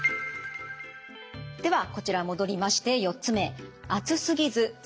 ではこちら戻りまして４つ目。